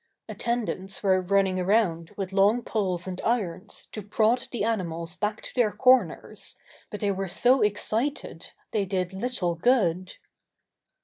Attendants were running around with long poles and irons to prod the animals back to their corners, but they were so excited they did little good.